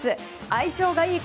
相性がいい